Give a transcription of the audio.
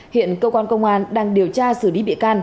hiện cơ quan công an đang điều tra xử lý bị can